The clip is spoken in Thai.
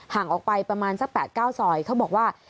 ห่างออกไปประมาณสัก๘๙ซอยเขาบอกว่า